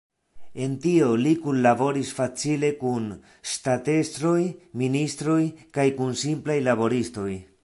En tio li kunlaboris facile kun ŝtatestroj, ministroj kaj kun simplaj laboristoj.